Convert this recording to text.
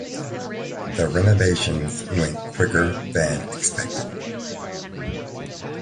The renovation went quicker than expected.